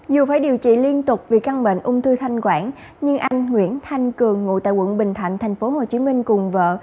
dù phải điều trị liên tục vì căn bệnh ung thư thanh quản nhưng anh nguyễn thanh cường ngủ tại quận bình thạnh thành phố hồ chí minh cùng vợ